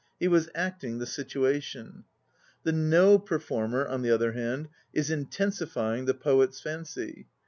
He was acting the situation. The No performer, on the other hand, is intensifv the poet's fancy.